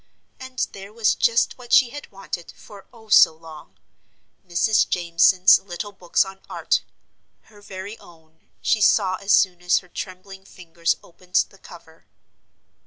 And there was just what she had wanted for, oh, so long Mrs. Jameson's little books on Art her very own, she saw as soon as her trembling fingers opened the cover.